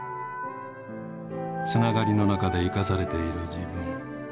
つながりの中で生かされている自分。